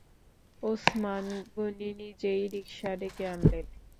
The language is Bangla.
ওসমাস গনি নিজেই রিকশা ডেকে আনলেন।